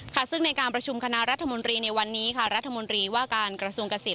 ซึ่งในการประชุมคณะรัฐมนตรีในวันนี้ค่ะรัฐมนตรีว่าการกระทรวงเกษตร